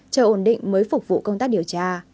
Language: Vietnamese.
chờ ổn định mới phục vụ công tác điều tra